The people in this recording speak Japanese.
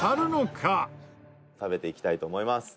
「食べていきたいと思います。